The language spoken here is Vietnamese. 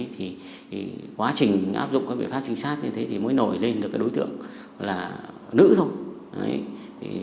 thì quá trình áp dụng các biện pháp trinh sát như thế thì mới nổi lên được đối tượng là nữ rồi